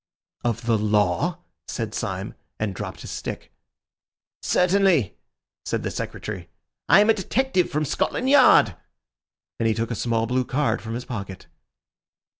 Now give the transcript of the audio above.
"Of the law?" said Syme, and dropped his stick. "Certainly!" said the Secretary. "I am a detective from Scotland Yard," and he took a small blue card from his pocket.